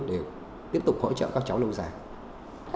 để tiếp tục hỗ trợ các cháu lâu dài